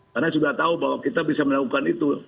karena sudah tahu bahwa kita bisa melakukan itu